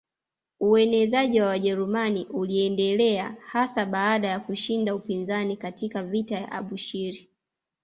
Uenezeaji wa Wajerumani uliendelea hasa baada ya kushinda upinzani katika vita ya Abushiri